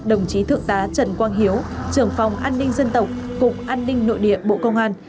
đồng chí thượng tá trần quang hiếu trưởng phòng an ninh dân tộc cục an ninh nội địa bộ công an